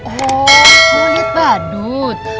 oh boleh badut